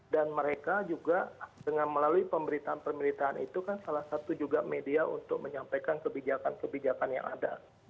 dan mereka juga dengan melalui pemberitaan pemberitaan itu kan salah satu juga media untuk menyampaikan kebijakan kebijakan yang ada